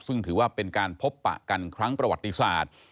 ซึ่งถือว่าเป็นการพบปะกันครั้งประวัติศาสตร์